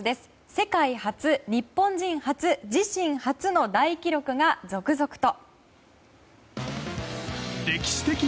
世界初、日本人初、自身初の大記録が続々と。